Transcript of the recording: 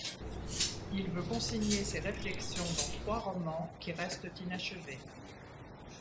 Il veut consigner ses réflexions dans trois romans qui restent inachevés.